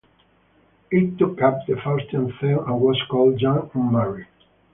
It took up the Faustian theme and was called "Jan und Marie".